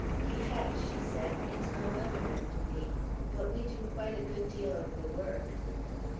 "He has," she said. "It's my mother and me. But we do quite a good deal of the work."